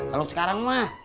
kalau sekarang mah